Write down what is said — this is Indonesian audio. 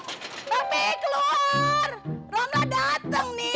romlah dateng nih